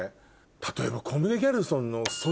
例えば。